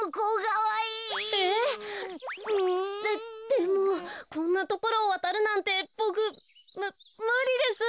ででもこんなところをわたるなんてボクむむりです。